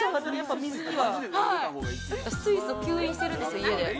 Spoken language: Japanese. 水素吸引してるんですよ、家で。